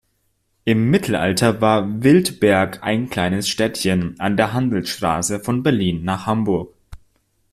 Im Mittelalter war Wildberg ein kleines Städtchen an der Handelsstraße von Berlin nach Hamburg.